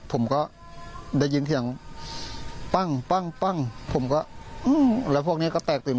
ผมก็ได้ยินเสียงปั้งปั้งปั้งผมก็แล้วพวกนี้ก็แตกตื่น